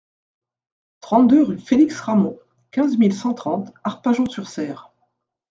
trente-deux rue Félix Ramond, quinze mille cent trente Arpajon-sur-Cère